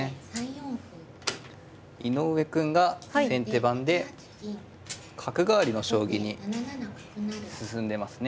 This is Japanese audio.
井上くんが先手番で角換わりの将棋に進んでますね。